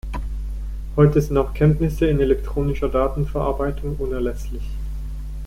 Heute sind auch Kenntnisse in Elektronischer Datenverarbeitung unerlässlich.